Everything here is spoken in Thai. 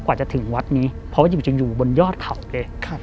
กว่าจะถึงวัดนี้เพราะว่าอยู่จนอยู่บนยอดเขาเลย